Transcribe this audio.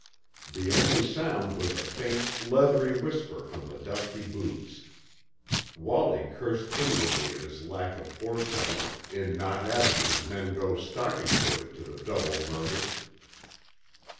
The only sound was a faint, leathery whisper from the dusty boots. Wallie cursed inwardly at his lack of foresight in not having his men go stocking footed to the double murder.